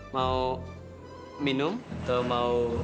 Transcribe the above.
mau minum atau mau